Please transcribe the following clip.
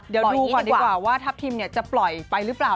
เดี๋ยวดูก่อนดีกว่าว่าทัพทิมจะปล่อยไปหรือเปล่า